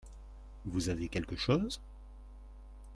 Vous avez quelque chose ?